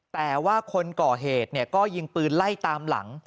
แต่ว่าคนก่อเหตุก็ยิงปืนไล่ตามหลัง